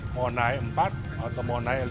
mau naik empat atau mau naik lima